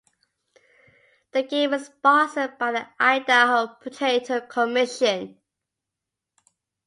The game is sponsored by the Idaho Potato Commission.